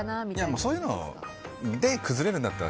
そういうので崩れるんだったら